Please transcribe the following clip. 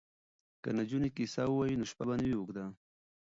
که نجونې کیسه ووايي نو شپه به نه وي اوږده.